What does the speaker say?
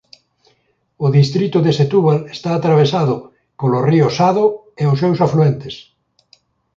O distrito de Setúbal está atravesado polo Rio Sado e os seus afluentes.